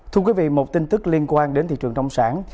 thưa quý vị một tin tức liên quan đến thị trường nông sản